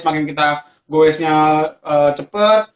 semakin kita goresnya cepat